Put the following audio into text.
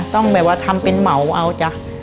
ต้องแบบว่าทำเป็นเหมาเอาจ้ะ